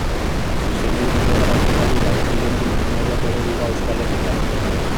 Zuzenbide Integratiboari dagokionean mundu mailako eredu da Euskal Herria.